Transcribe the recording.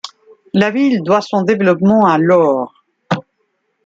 La ville doit son développement à l'or.